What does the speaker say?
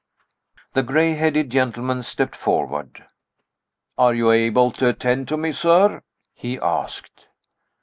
The gray headed gentleman stepped forward. "Are you able to attend to me, sir?" he asked.